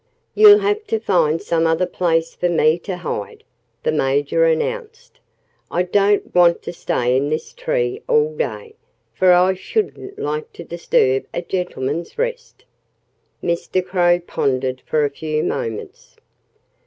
"You'll have to find some other place for me to hide," the Major announced. "I don't want to stay in this tree all day, for I shouldn't like to disturb a gentleman's rest." Mr. Crow pondered for a few moments.